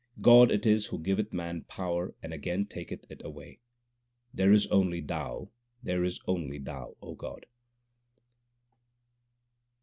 God it is who giveth man power and again taketh it away. There is only Thou, there is only Thou, O God